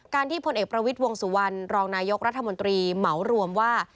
ที่พลเอกประวิทย์วงสุวรรณรองนายกรัฐมนตรีเหมารวมว่า